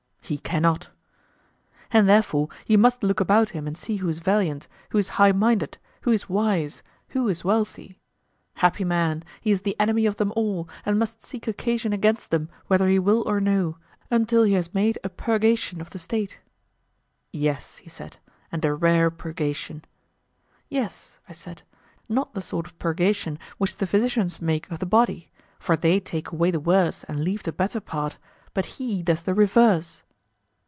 He cannot. And therefore he must look about him and see who is valiant, who is high minded, who is wise, who is wealthy; happy man, he is the enemy of them all, and must seek occasion against them whether he will or no, until he has made a purgation of the State. Yes, he said, and a rare purgation. Yes, I said, not the sort of purgation which the physicians make of the body; for they take away the worse and leave the better part, but he does the reverse.